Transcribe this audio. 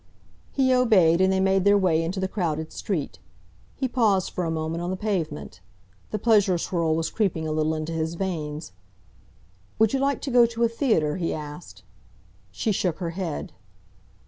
He obeyed, and they made their way into the crowded street. He paused for a moment on the pavement. The pleasure swirl was creeping a little into his veins. "Would you like to go to a theatre?" he asked. She shook her head.